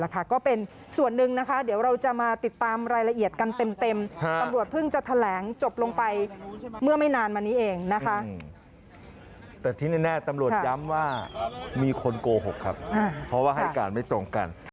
แต่ที่แน่ตำรวจย้ำว่ามีคนโกหกครับเพราะว่าให้การไม่ตรงกัน